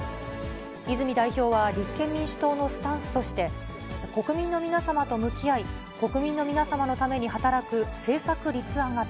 泉代表は立憲民主党のスタンスとして、国民の皆様と向き合い、国民の皆様のために働く政策立案型。